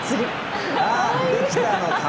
あっできたの顔。